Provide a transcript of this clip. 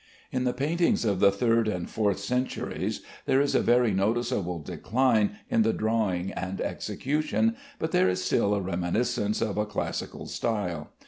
In the paintings of the third and fourth centuries there is a very noticeable decline in the drawing and execution, but there is still a reminiscence of a classical style.